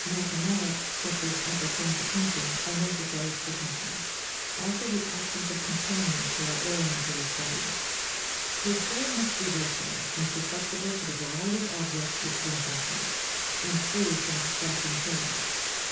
56. Mathematics, such as appertain to painting, are necessary to the painter, also the absence of companions who are alien to his studies: his brain must be versatile and susceptible to the variety of objects which it encounters, and free from distracting cares.